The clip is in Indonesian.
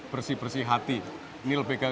bersih bersih hati ini lebih ke